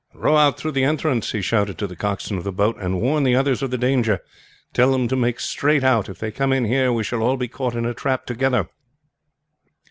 "Row out through the entrance," he shouted to the coxswain of the boat, "and warn the others of the danger! Tell them to make straight out. If they come in here, we shall all be caught in a trap together!"